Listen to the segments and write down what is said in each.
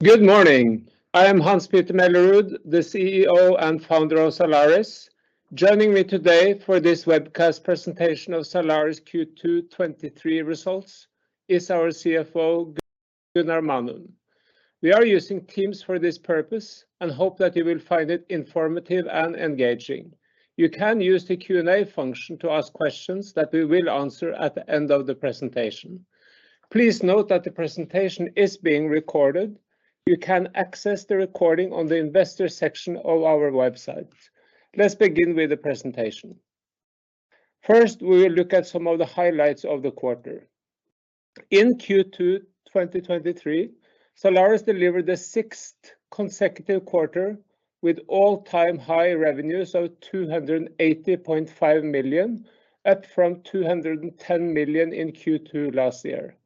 Good morning. I am Hans-Petter Mellerud, the CEO and founder of Zalaris. Joining me today for this webcast presentation of Zalaris Q2 2023 results is our CFO, Gunnar Manum. We are using Teams for this purpose and hope that you will find it informative and engaging. You can use the Q&A function to ask questions that we will answer at the end of the presentation. Please note that the presentation is being recorded. You can access the recording on the investor section of our website. Let's begin with the presentation. First, we will look at some of the highlights of the quarter. In Q2 2023, Zalaris delivered the sixth consecutive quarter with all-time high revenues of 280.5 million, up from 210 million in Q2 last year.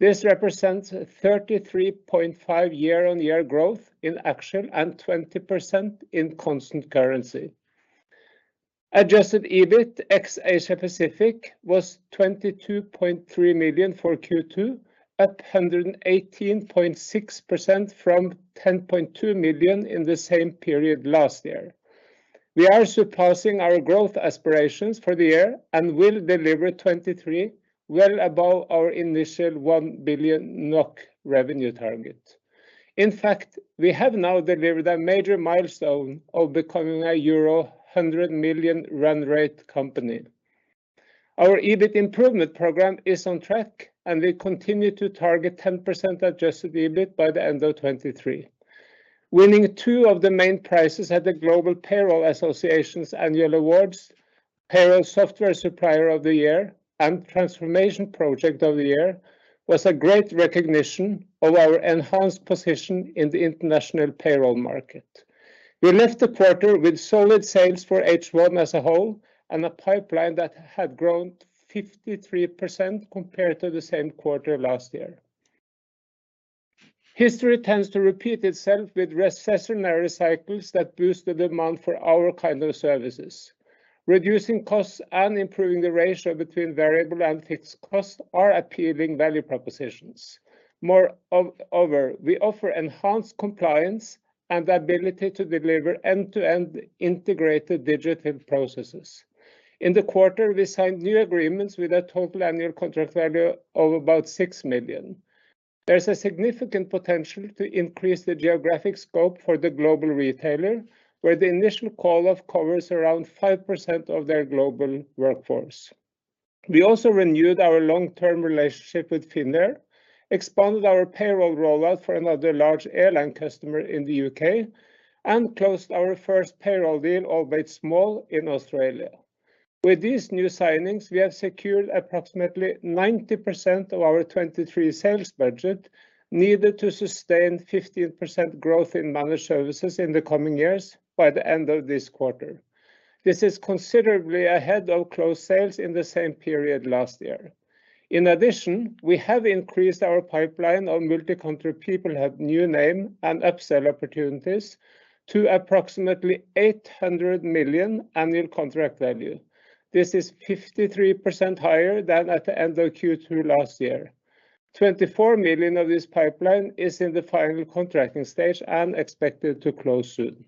This represents 33.5 year-on-year growth in actual and 20% in constant currency. Adjusted EBIT ex Asia Pacific was 22.3 million for Q2, up 118.6% from 10.2 million in the same period last year. We are surpassing our growth aspirations for the year and will deliver 2023 well above our initial 1 billion NOK revenue target. In fact, we have now delivered a major milestone of becoming a euro 100 million run rate company. Our EBIT improvement program is on track, and we continue to target 10% Adjusted EBIT by the end of 2023. Winning two of the main prizes at the Global Payroll Association's Annual Awards, Payroll Software Supplier of the Year and Transformation Project of the Year, was a great recognition of our enhanced position in the international payroll market. We left the quarter with solid sales for H1 as a whole and a pipeline that had grown 53% compared to the same quarter last year. History tends to repeat itself with recessionary cycles that boost the demand for our kind of services. Reducing costs and improving the ratio between variable and fixed costs are appealing value propositions. Moreover, we offer enhanced compliance and the ability to deliver end-to-end integrated digital processes. In the quarter, we signed new agreements with a total annual contract value of about 6 million. There's a significant potential to increase the geographic scope for the global retailer, where the initial call-off covers around 5% of their global workforce. We also renewed our long-term relationship with Finnair, expanded our payroll rollout for another large airline customer in the U.K., and closed our first payroll deal, albeit small, in Australia. With these new signings, we have secured approximately 90% of our 23 sales budget needed to sustain 15% growth in Managed Services in the coming years by the end of this quarter. This is considerably ahead of closed sales in the same period last year. In addition, we have increased our pipeline on multi-country PeopleHub and upsell opportunities to approximately 800 million annual contract value. This is 53% higher than at the end of Q2 last year. 24 million of this pipeline is in the final contracting stage and expected to close soon.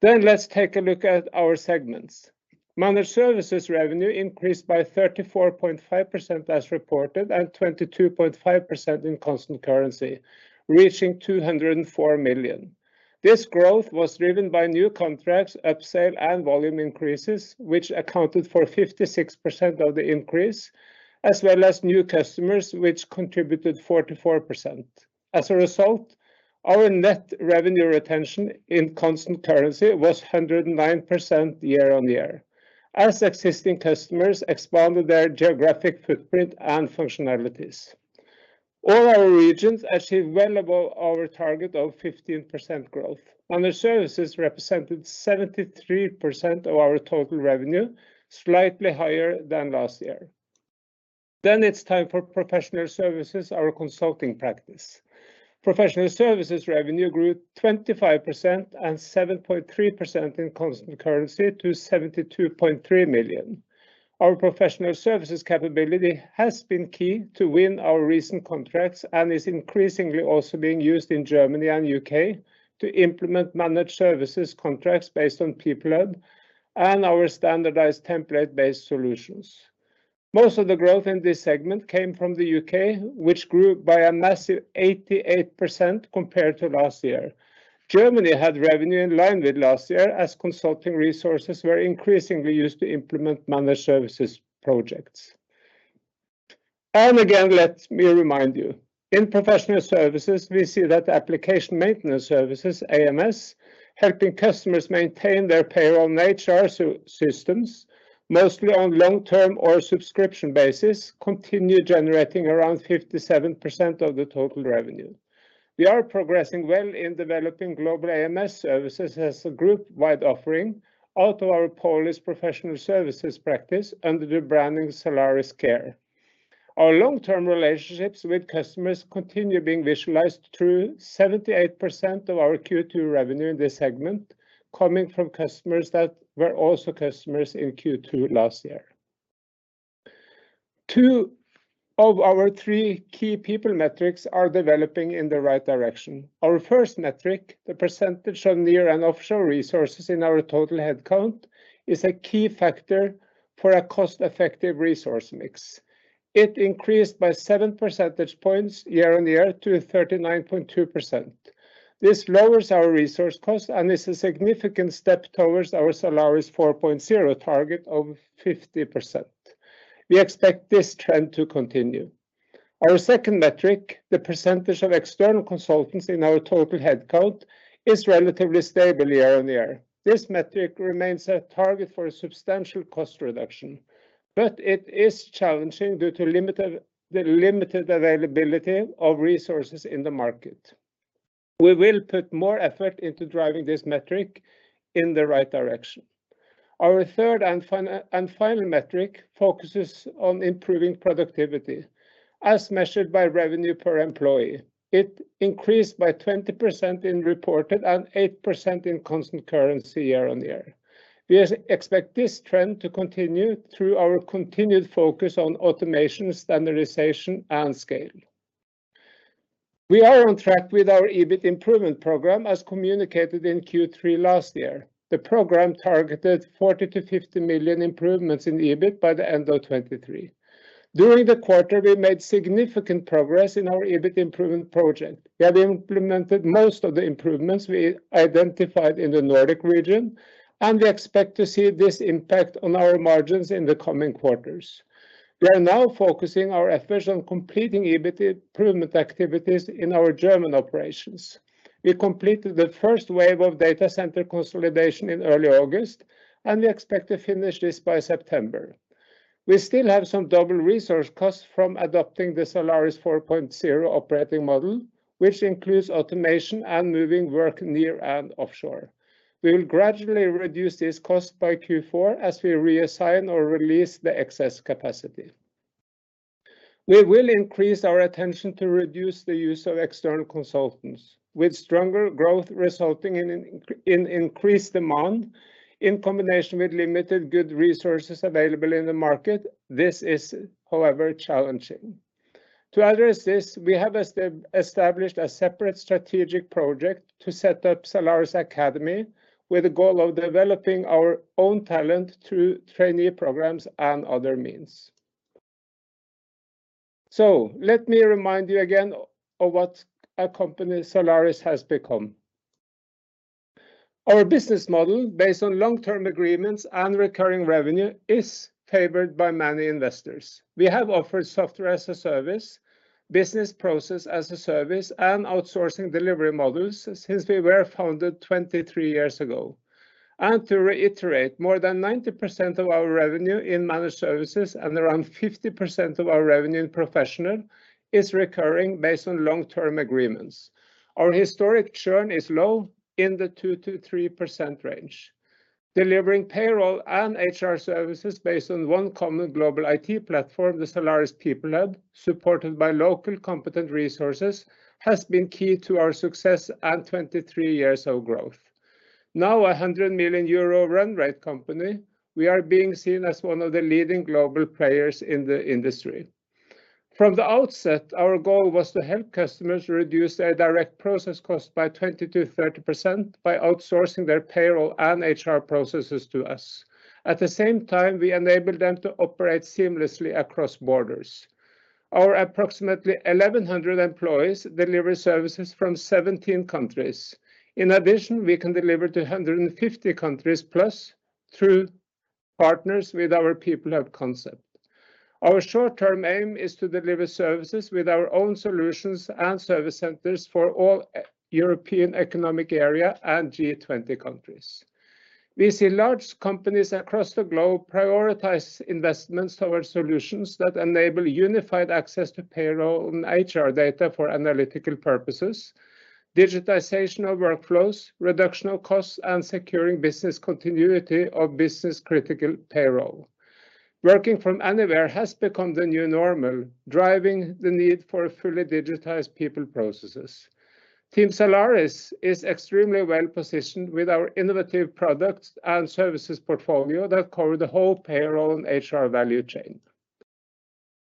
Then let's take a look at our segments. Managed Services revenue increased by 34.5% as reported, and 22.5% in constant currency, reaching 204 million. This growth was driven by new contracts, upsell and volume increases, which accounted for 56% of the increase, as well as new customers, which contributed 44%. As a result, our Net Revenue Retention in Constant Currency was 109% year-on-year, as existing customers expanded their geographic footprint and functionalities. All our regions achieved well above our target of 15% growth. Managed Services represented 73% of our total revenue, slightly higher than last year. Then it's time for Professional Services, our consulting practice. Professional Services revenue grew 25% and 7.3% in Constant Currency to 72.3 million. Our Professional Services capability has been key to win our recent contracts and is increasingly also being used in Germany and U.K. to implement Managed Services contracts based on PeopleHub and our standardized template-based solutions. Most of the growth in this segment came from the U.K., which grew by a massive 88% compared to last year. Germany had revenue in line with last year as consulting resources were increasingly used to implement managed services projects. And again, let me remind you, in professional services, we see that application maintenance services, AMS, helping customers maintain their payroll and HR systems, mostly on long term or subscription basis, continue generating around 57% of the total revenue. We are progressing well in developing global AMS services as a group-wide offering out of our Polish professional services practice under the branding Zalaris Care. Our long-term relationships with customers continue being visualized through 78% of our Q2 revenue in this segment, coming from customers that were also customers in Q2 last year. Two of our three key people metrics are developing in the right direction. Our first metric, the percentage of near and offshore resources in our total headcount, is a key factor for a cost-effective resource mix. It increased by 7 percentage points year-on-year to 39.2%. This lowers our resource costs and is a significant step towards our Zalaris 4.0 target of 50%. We expect this trend to continue. Our second metric, the percentage of external consultants in our total headcount, is relatively stable year-on-year. This metric remains a target for a substantial cost reduction, but it is challenging due to the limited availability of resources in the market. We will put more effort into driving this metric in the right direction. Our third and final metric focuses on improving productivity, as measured by revenue per employee. It increased by 20% in reported and 8% in constant currency year-on-year. We expect this trend to continue through our continued focus on automation, standardization, and scale. We are on track with our EBIT improvement program, as communicated in Q3 last year. The program targeted 40 million-50 million improvements in EBIT by the end of 2023. During the quarter, we made significant progress in our EBIT improvement project. We have implemented most of the improvements we identified in the Nordic region, and we expect to see this impact on our margins in the coming quarters. We are now focusing our efforts on completing EBIT improvement activities in our German operations. We completed the first wave of data center consolidation in early August, and we expect to finish this by September. We still have some double resource costs from adopting the Zalaris 4.0 operating model, which includes automation and moving work near and offshore. We will gradually reduce these costs by Q4 as we reassign or release the excess capacity. We will increase our attention to reduce the use of external consultants. With stronger growth resulting in an increased demand, in combination with limited good resources available in the market, this is however, challenging. To address this, we have established a separate strategic project to set up Zalaris Academy, with the goal of developing our own talent through trainee programs and other means. So let me remind you again of what a company Zalaris has become. Our business model, based on long-term agreements and recurring revenue, is favored by many investors. We have offered software as a service, business process as a service, and outsourcing delivery models since we were founded 23 years ago. To reiterate, more than 90% of our revenue in managed services and around 50% of our revenue in professional is recurring based on long-term agreements. Our historic churn is low, in the 2% to 3% range. Delivering payroll and HR services based on one common global IT platform, the Zalaris PeopleHub, supported by local competent resources, has been key to our success and 23 years of growth. Now a 100 million euro run rate company, we are being seen as one of the leading global players in the industry. From the outset, our goal was to help customers reduce their direct process cost by 20%-30% by outsourcing their payroll and HR processes to us. At the same time, we enabled them to operate seamlessly across borders. Our approximately 1,100 employees deliver services from 17 countries. In addition, we can deliver to 150 plus countries through partners with our PeopleHub concept. Our short-term aim is to deliver services with our own solutions and service centers for all European Economic Area and G20 countries. We see large companies across the globe prioritize investments towards solutions that enable unified access to payroll and HR data for analytical purposes, digitization of workflows, reduction of costs, and securing business continuity of business-critical payroll. Working from anywhere has become the new normal, driving the need for a fully digitized people processes. Team Zalaris is extremely well positioned with our innovative products and services portfolio that cover the whole payroll and HR value chain.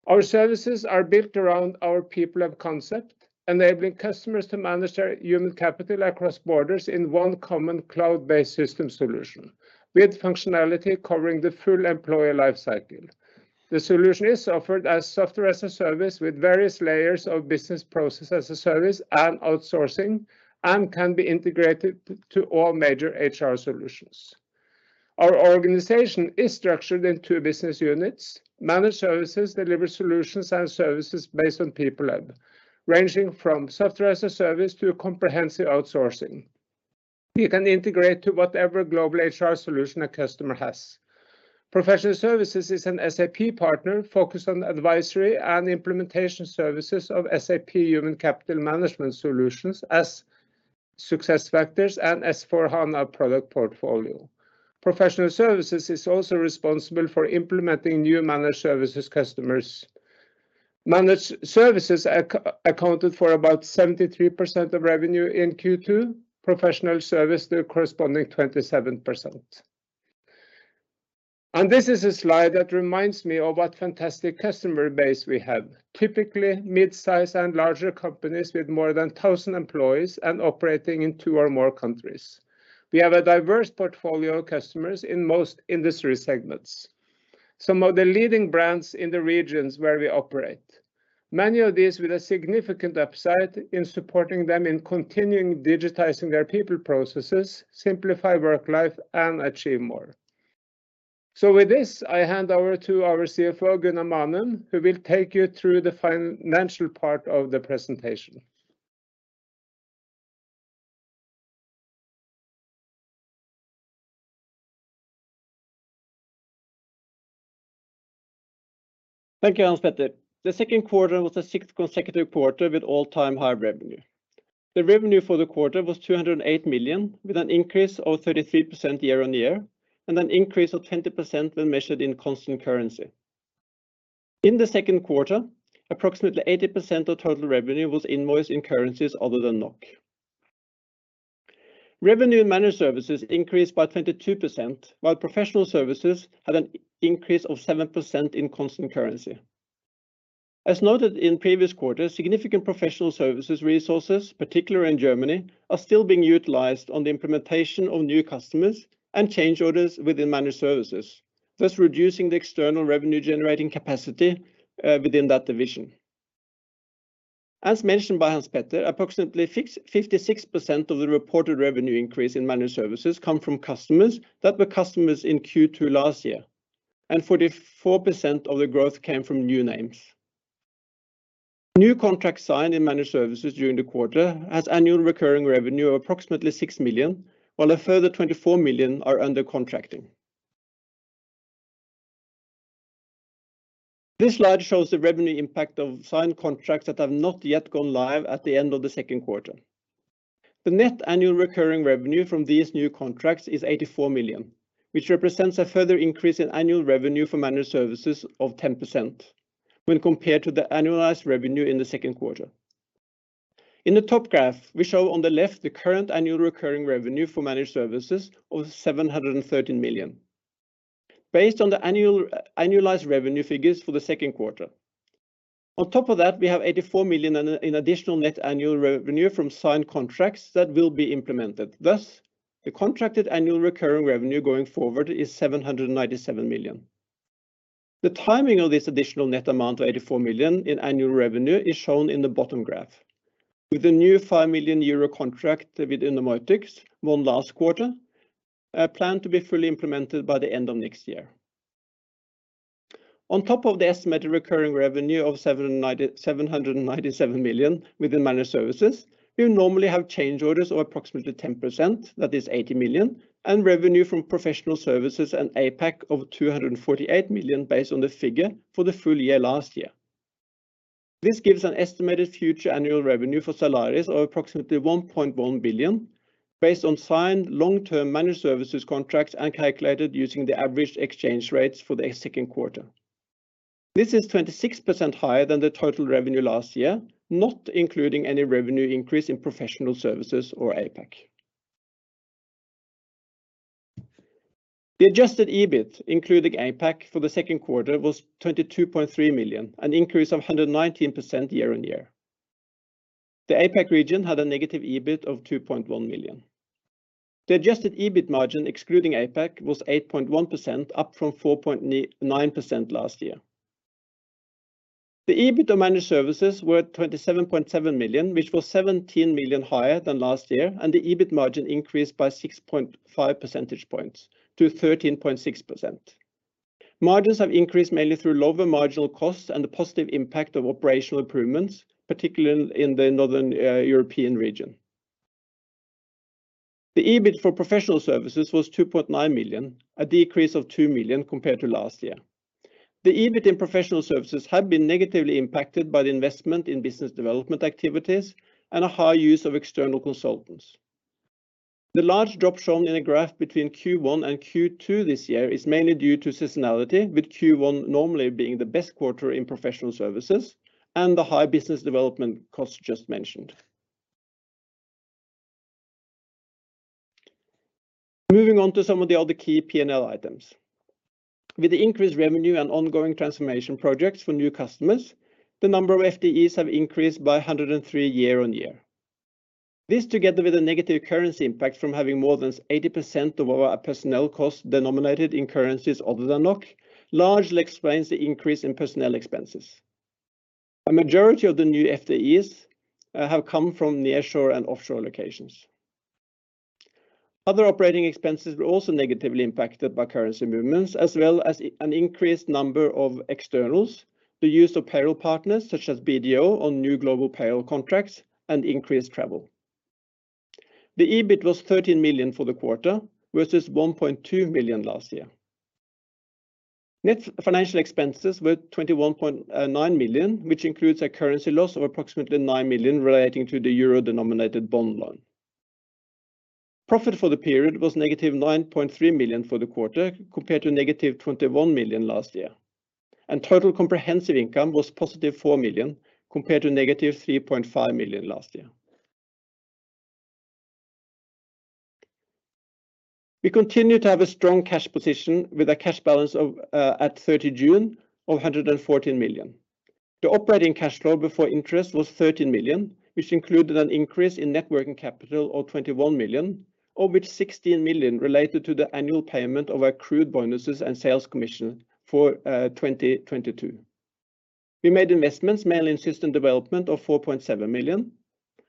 Our services are built around our PeopleHub concept, enabling customers to manage their human capital across borders in one common cloud-based system solution, with functionality covering the full employee life cycle. The solution is offered as software-as-a-service with various layers of business process as a service and outsourcing, and can be integrated to all major HR solutions. Our organization is structured in two business units. Managed Services deliver solutions and services based on PeopleHub, ranging from software as a service to a comprehensive outsourcing. We can integrate to whatever global HR solution a customer has. Professional Services is an SAP partner focused on advisory and implementation services of SAP Human Capital Management solutions as SuccessFactors and S/4HANA product portfolio. Professional Services is also responsible for implementing new Managed Services customers. Managed Services accounted for about 73% of revenue in Q2, professional service, the corresponding 27%. This is a slide that reminds me of what fantastic customer base we have. Typically, mid-size and larger companies with more than 1,000 employees and operating in two or more countries. We have a diverse portfolio of customers in most industry segments, some of the leading brands in the regions where we operate. Many of these with a significant upside in supporting them in continuing digitizing their people processes, simplify work life, and achieve more. So with this, I hand over to our CFO, Gunnar Manum, who will take you through the financial part of the presentation. Thank you, Hans-Petter. The second quarter was the sixth consecutive quarter with all-time high revenue. The revenue for the quarter was 208 million, with an increase of 33% year-on-year, and an increase of 20% when measured in constant currency. In the second quarter, approximately 80% of total revenue was invoiced in currencies other than NOK. Revenue in Managed Services increased by 22%, while Professional Services had an increase of 7% in constant currency. As noted in previous quarters, significant Professional Services resources, particularly in Germany, are still being utilized on the implementation of new customers and change orders within Managed Services thus reducing the external revenue generating capacity within that division. As mentioned by Hans-Petter, approximately 56% of the reported revenue increase in Managed Services come from customers that were customers in Q2 last year and 44% of the growth came from new names. New contracts signed in Managed Services during the quarter has Annual Recurring Revenue of approximately 6 million, while a further 24 million are under contracting. This slide shows the revenue impact of signed contracts that have not yet gone live at the end of the second quarter. The net Annual Recurring Revenue from these new contracts is 84 million, which represents a further increase in annual revenue for Managed Services of 10% when compared to the annualized revenue in the second quarter. In the top graph we show on the left the current Annual Recurring Revenue for Managed Services of 713 million. Based on the annualized revenue figures for the second quarter. On top of that, we have 84 million in additional net annual revenue from signed contracts that will be implemented. Thus, the contracted annual recurring revenue going forward is 797 million. The timing of this additional net amount of 84 million in annual revenue is shown in the bottom graph, with a new 5 million euro contract within the Nordics won last quarter, planned to be fully implemented by the end of next year. On top of the estimated recurring revenue of 797 million within managed services. We normally have change orders of approximately 10%, that is 80 million, and revenue from professional services and APAC of 248 million, based on the figure for the full-year last year. This gives an estimated future annual revenue for Zalaris of approximately 1.1 billion, based on signed long-term managed services contracts and calculated using the average exchange rates for the second quarter. This is 26% higher than the total revenue last year, not including any revenue increase in professional services or APAC. The Adjusted EBIT, including APAC for the second quarter, was 22.3 million, an increase of 119% year-on-year. The APAC region had a negative EBIT of 2.1 million. The Adjusted EBIT margin, excluding APAC, was 8.1%, up from 4.9% last year. The EBIT of managed services were 27.7 million, which was 17 million higher than last year, and the EBIT margin increased by 6.5 percentage points to 13.6%. Margins have increased mainly through lower marginal costs and the positive impact of operational improvements, particularly in the Northern European region. The EBIT for professional services was 2.9 million, a decrease of 2 million compared to last year. The EBIT in professional services have been negatively impacted by the investment in business development activities and a high use of external consultants. The large drop shown in a graph between Q1 and Q2 this year is mainly due to seasonality, with Q1 normally being the best quarter in professional services and the high business development costs just mentioned. Moving on to some of the other key P&L items. With the increased revenue and ongoing transformation projects for new customers, the number of FTEs have increased by 103 year-over-year. This, together with a negative currency impact from having more than 80% of our personnel costs denominated in currencies other than NOK largely explains the increase in personnel expenses. A majority of the new FTEs have come from nearshore and offshore locations. Other operating expenses were also negatively impacted by currency movements, as well as an increased number of externals, the use of payroll partners, such as BDO, on new global payroll contracts, and increased travel. The EBIT was 13 million for the quarter, versus 1.2 million last year. Net financial expenses were 21.9 million, which includes a currency loss of approximately 9 million relating to the euro-denominated bond loan. Profit for the period was negative 9.3 million for the quarter, compared to negative 21 million last year. Total comprehensive income was positive 4 million, compared to negative 3.5 million last year. We continue to have a strong cash position with a cash balance of at 30 June of 114 million. The operating cash flow before interest was 13 million which included an increase in net working capital of 21 millio of which 16 million related to the annual payment of accrued bonuses and sales commission for 2022. We made investments, mainly in system development, of 4.7 million,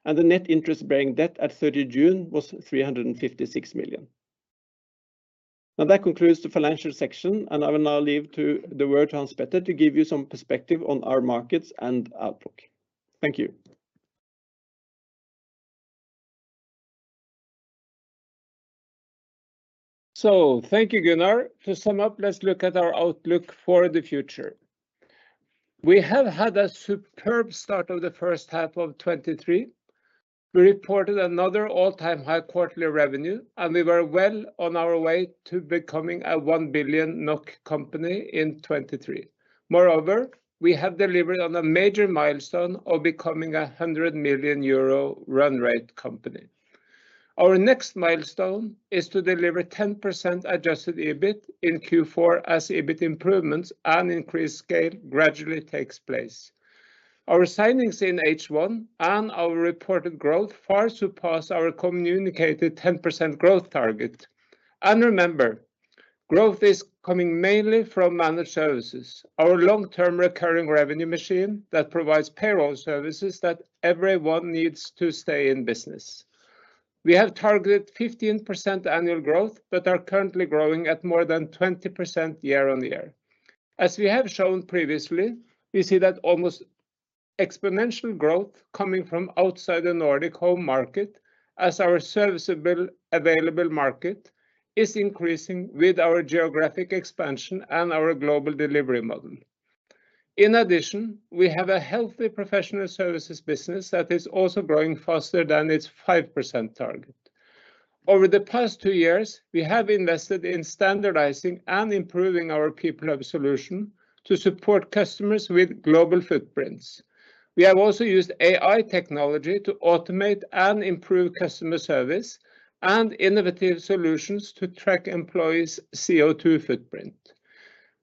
and the net interest-bearing debt at 30 June was 356 million. Now, that concludes the financial section, and I will now leave the word to Hans-Petter to give you some perspective on our markets and outlook. Thank you. So thank you, Gunnar. To sum up, let's look at our outlook for the future. We have had a superb start of the first half of 2023. We reported another all-time high quarterly revenue, and we were well on our way to becoming a 1 billion NOK company in 2023. Moreover, we have delivered on a major milestone of becoming a 100 million euro run rate company. Our next milestone is to deliver 10% Adjusted EBIT in Q4, as EBIT improvements and increased scale gradually takes place. Our signings in H1 and our reported growth far surpass our communicated 10% growth target. And remember, growth is coming mainly from managed services, our long-term recurring revenue machine that provides payroll services that everyone needs to stay in business. We have targeted 15% annual growth, but are currently growing at more than 20% year-on-year. As we have shown previously, we see that almost exponential growth coming from outside the Nordic home market as our serviceable available market is increasing with our geographic expansion and our global delivery model. In addition, we have a healthy professional services business that is also growing faster than its 5% target. Over the past two years, we have invested in standardizing and improving our PeopleHub solution to support customers with global footprints. We have also used AI technology to automate and improve customer service and innovative solutions to track employees' CO2 footprint.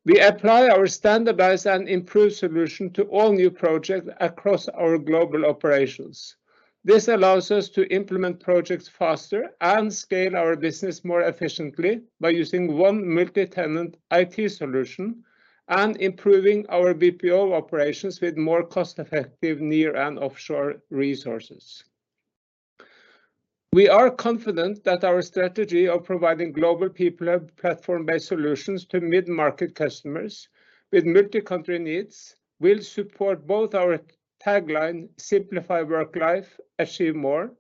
We apply our standardized and improved solution to all new projects across our global operations. This allows us to implement projects faster and scale our business more efficiently by using one multi-tenant IT solution and improving our BPO operations with more cost-effective nearshore and offshore resources. We are confident that our strategy of providing global people and platform-based solutions to mid-market customers with multi-country needs will support both our tagline, "Simplify work life, achieve more,"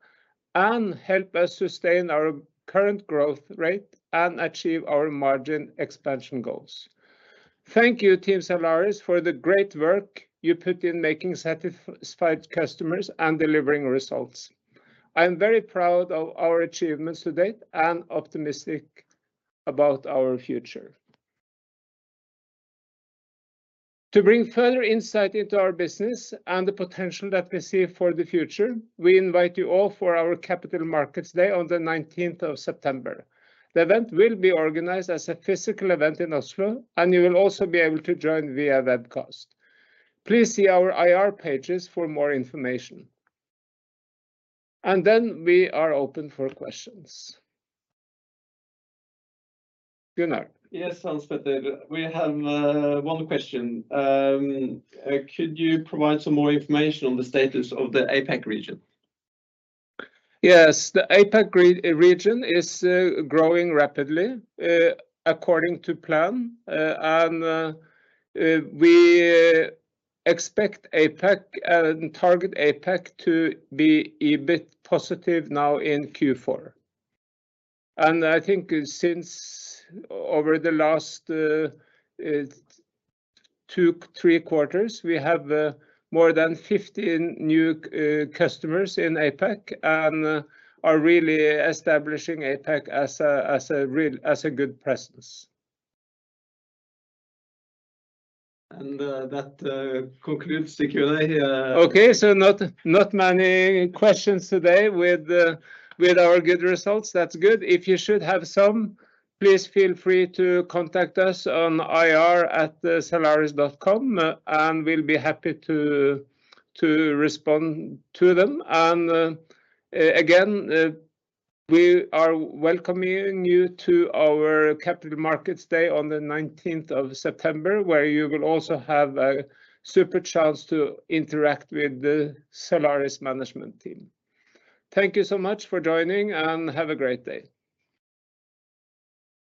and help us sustain our current growth rate and achieve our margin expansion goals. Thank you, Team Zalaris, for the great work you put in making satisfied customers and delivering results. I am very proud of our achievements to date and optimistic about our future. To bring further insight into our business and the potential that we see for the future, we invite you all for our Capital Markets Day on the 19th of September. The event will be organized as a physical event in Oslo, and you will also be able to join via webcast. Please see our IR pages for more information. Then we are open for questions. Gunnar? Yes, Hans-Petter, we have one question. Could you provide some more information on the status of the APAC region? Yes, the APAC region is growing rapidly according to plan. We expect APAC target APAC to be a bit positive now in Q4. I think since over the last two to three quarters, we have more than 15 new customers in APAC and are really establishing APAC as a good presence. That concludes the Q&A. Okay, so not many questions today with our good results. That's good. If you should have some, please feel free to contact us on ir@zalaris.com, and we'll be happy to respond to them. Again, we are welcoming you to our Capital Markets Day on the nineteenth of September, where you will also have a super chance to interact with the Zalaris Management Team. Thank you so much for joining, and have a great day.